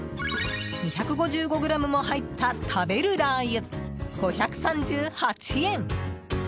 ２５５ｇも入った食べるラー油、５３８円。